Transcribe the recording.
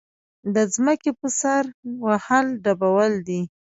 د ځمکې پر سر وهل ډبول دي.